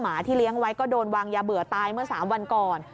ที่เลี้ยงไว้ก็โดนวางยาเบื่อตายเมื่อ๓วันก่อน